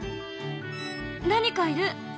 何かいる！